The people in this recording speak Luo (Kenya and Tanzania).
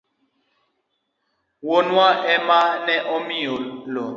Wuonwa ema ne omiya lowo.